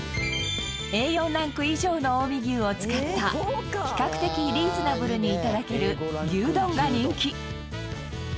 Ａ４ランク以上の近江牛を使った比較的リーズナブルにいただける牛丼が人気。